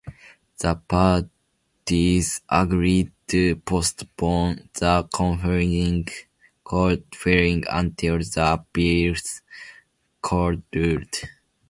The parties agreed to postpone the conflicting court filings until the appeals court ruled.